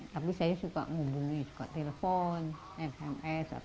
tapi saya suka ngubunyi suka telepon fms atau apa